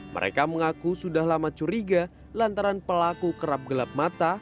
mereka mengaku sudah lama curiga lantaran pelaku kerap gelap mata